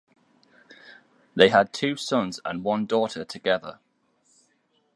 They had two sons and one daughter together.